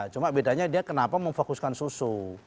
cuma bedanya dia kenapa memfokuskan susu